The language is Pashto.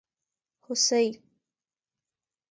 🦌 هوسي